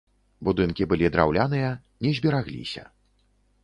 Будынкі былі драўляныя, не зберагліся.